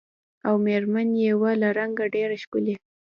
او مېر من یې وه له رنګه ډېره ښکلې